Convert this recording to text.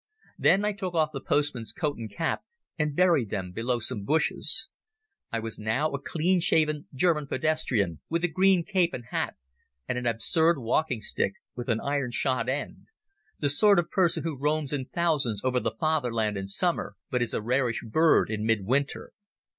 Then I took off the postman's coat and cap, and buried them below some bushes. I was now a clean shaven German pedestrian with a green cape and hat, and an absurd walking stick with an iron shod end—the sort of person who roams in thousands over the Fatherland in summer, but is a rarish bird in mid winter.